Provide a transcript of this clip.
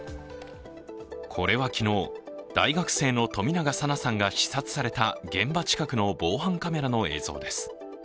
これは昨日、大学生の冨永紗菜さんが刺殺された現場近くの防犯カメラの映像です。